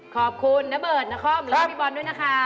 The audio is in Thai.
ขอบคุณณเบิร์ตณข้อมูลแล้วกับพี่บอลด้วยนะคะ